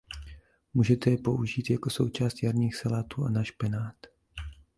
Můžete je použít jako součást jarních salátů a na špenát.